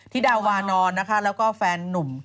ที่ได้วานอนและแฟนหนุ่ม